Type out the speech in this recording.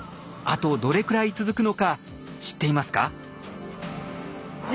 あとどれくらい続くのか知っていますか？